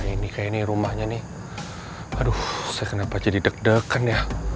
nah ini kayaknya rumahnya nih aduh saya kenapa jadi deg degan ya